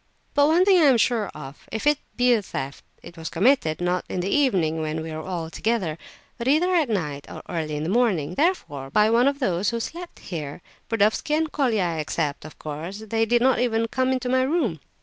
But one thing I am sure of, if it be a theft, it was committed, not in the evening when we were all together, but either at night or early in the morning; therefore, by one of those who slept here. Burdovsky and Colia I except, of course. They did not even come into my room."